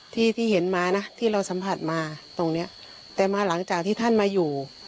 ที่ที่เห็นมานะที่เราสัมผัสมาตรงเนี้ยแต่มาหลังจากที่ท่านมาอยู่